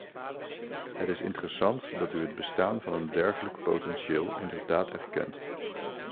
Het is interessant dat u het bestaan van een dergelijk potentieel inderdaad erkent.